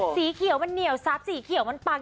สีเขียวมันเหนียวซับสีเขียวมันปัง